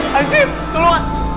aduh waduh nyaksian